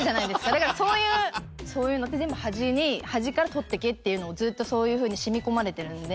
だからそういうそういうのって全部端に端から取ってけっていうのをずっとそういうふうに染み込まれてるので。